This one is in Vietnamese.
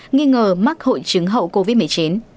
nghi ngờ mắc hội chứng hậu covid một mươi chín